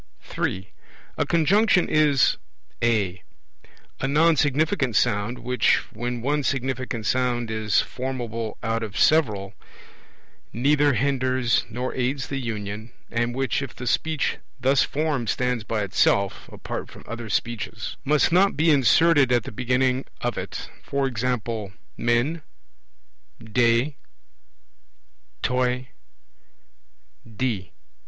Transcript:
(3) A Conjunction is (a) a non significant sound which, when one significant sound is formable out of several, neither hinders nor aids the union, and which, if the Speech thus formed stands by itself (apart from other Speeches) must not be inserted at the beginning of it; e.g. men, de, toi, de.